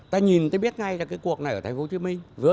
ta nhìn tôi biết ngay là cái cuộc này ở tp hcm